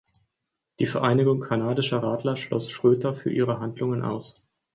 Die Vereinigung kanadischer Radler schloss Schroeter für ihre Handlungen aus.